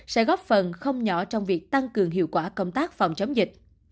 sẽ góp phần không nhỏ trong việc tăng cường hiệu quả công tác phòng chống dịch